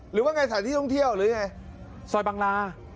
หรือว่าไงสถานที่ท่องเที่ยวหรือยังไงซอยบังลา